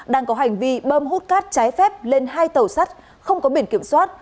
đang có hành vi bơm hút cát trái phép lên hai tàu sắt không có biển kiểm soát